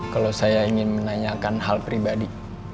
kalau saya ingin menanyakan hal pribadi